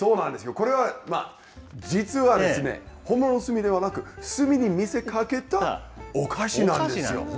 これは、実はですね、本物の炭ではなく、炭に見せかけたお菓子なんですよ。